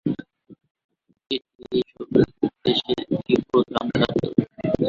এটি এইসব দেশের একটি প্রধান খাদ্য।